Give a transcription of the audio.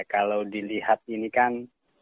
kalau dilihat ini kan